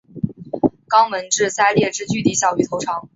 肛门至鳃裂之距离小于头长。